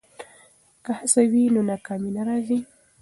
که هڅه وي نو ناکامي نه راځي.